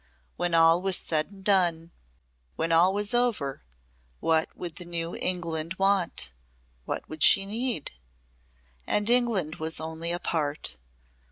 When all was said and done, when all was over, what would the new England want what would she need? And England was only a part.